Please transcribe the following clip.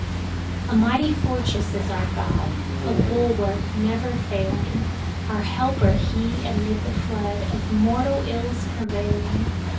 A mighty fortress is our God, a bulwark never failing; our helper he amid the flood of mortal ills prevaling.